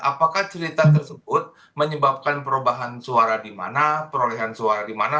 apakah cerita tersebut menyebabkan perubahan suara di mana perolehan suara di mana